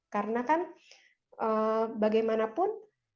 karena kan bagaimanapun